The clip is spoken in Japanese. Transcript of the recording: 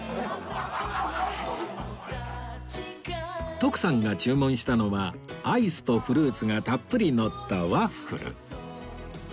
徳さんが注文したのはアイスとフルーツがたっぷりのったワッフル